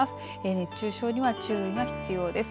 熱中症には注意が必要です。